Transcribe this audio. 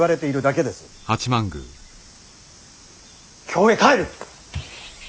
京へ帰る！